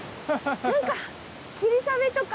何か霧雨とか。